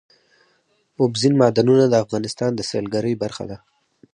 اوبزین معدنونه د افغانستان د سیلګرۍ برخه ده.